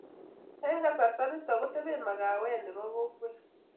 eng kasrta nitok ko tebee makawet nebo kokwet